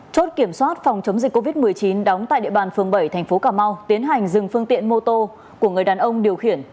chốt kiểm soát phòng chống dịch covid một mươi chín đóng tại địa bàn phường bảy thành phố cà mau tiến hành dừng phương tiện mô tô của người đàn ông điều khiển